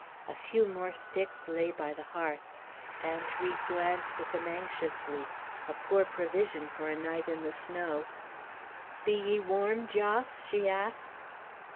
A few more sticks lay by the hearth. Aunt Ri glanced at them anxiously. A poor provision for a night in the snow. "Be ye warm, Jos?" she asked.